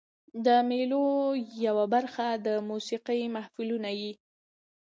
د مېلو یوه برخه د موسیقۍ محفلونه يي.